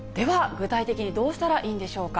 具体的にどうしたらいいんでしょうか。